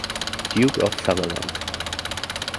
Duke of Sutherland.